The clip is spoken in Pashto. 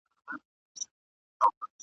له ستوني د لر او بر یو افغان چیغه را وزي !.